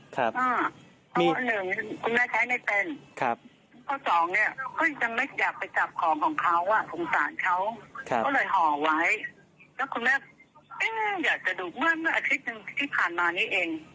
ที่ว่าที่ว่ากระติกลงไป